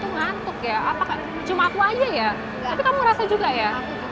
ngantuk ya cuma aku aja ya kamu rasa juga ya